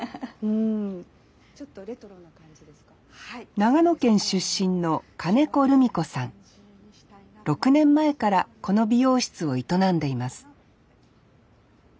長野県出身の６年前からこの美容室を営んでいます